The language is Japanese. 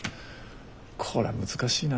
これは難しいな。